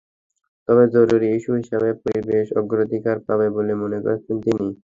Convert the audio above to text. তবে জরুরি ইস্যু হিসেবে পরিবেশ অগ্রাধিকার পাবে বলে মনে করছেন তিনি।